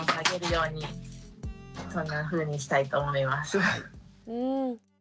うん。